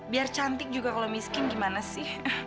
biar cantik juga kalau miskin gimana sih